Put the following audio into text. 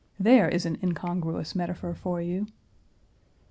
There is an incongruous metaphor for you.